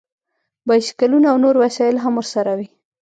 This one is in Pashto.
بایسکلونه او نور وسایل هم ورسره وي